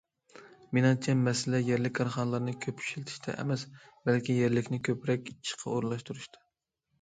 مېنىڭچە، مەسىلە يەرلىك كارخانىلارنى كۆپ ئىشلىتىشتە ئەمەس، بەلكى يەرلىكنى كۆپرەك ئىشقا ئورۇنلاشتۇرۇشتا.